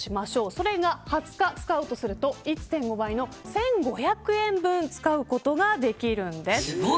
それが２０日使うと１．５倍の１５００円分使うことができるんです。